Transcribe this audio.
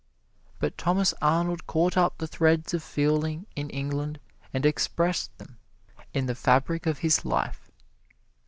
But Thomas Arnold caught up the threads of feeling in England and expressed them in the fabric of his life.